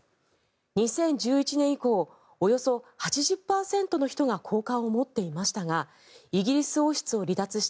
２０１１年以降およそ８０％の人が好感を持っていましたがイギリス王室を離脱した